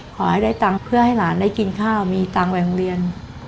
ขอให้ได้ตังค์เพื่อให้หลานได้กินข้าวมีตังค์ไปโรงเรียน